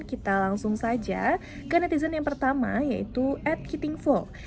kita langsung saja ke netizen yang pertama yaitu atkeeting full